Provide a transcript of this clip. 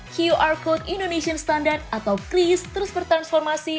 qr code indonesian standard atau kris terus bertransformasi